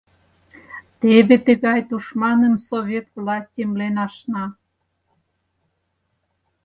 Теве тыгай тушманым Совет власть эмлен ашна.